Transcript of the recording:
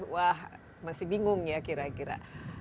wah masih bingung ya kira kira